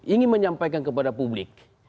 ingin menyampaikan kepada publik